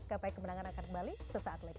gapai kemenangan akan kembali sesaat lagi